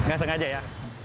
enggak sengaja ya